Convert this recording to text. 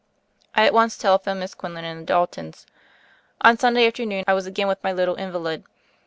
'* I at once telephoned Miss Quinlan and the Daltons. On Sunday afternoon I was again with my little invalid.